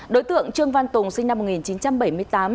đối tượng trương văn tùng sinh năm một nghìn chín trăm bảy mươi tám